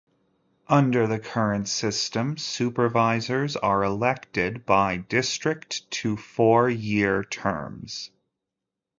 Under the current system, supervisors are elected by district to four-year terms.